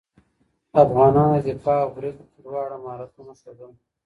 افغانانو د دفاع او برید دواړه مهارتونه ښودل.